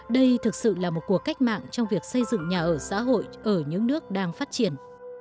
đây thực sự là một cuộc cách mạng trong việc xây dựng nhà ở xã hội ở những nước đang phát triển